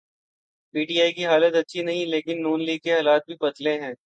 P T I کی حالت اچھی نہیں لیکن نون لیگ کے حالات بھی پتلے ہیں۔